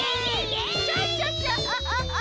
クシャシャシャ！